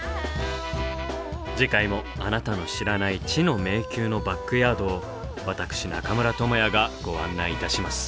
次回もあなたの知らない「知の迷宮」のバックヤードを私中村倫也がご案内いたします。